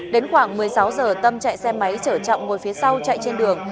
đến khoảng một mươi sáu giờ tâm chạy xe máy chở trọng ngồi phía sau chạy trên đường